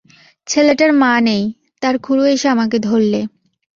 ছেলেটার মা নেই, তার খুড়ো এসে আমাকে ধরলে।